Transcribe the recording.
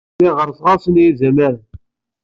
Lliɣ ɣerrseɣ-asen i yizamaren.